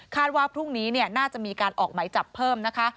ว่าพรุ่งนี้น่าจะมีการออกไหมจับเพิ่มนะคะ